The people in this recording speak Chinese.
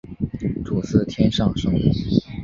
主祀天上圣母。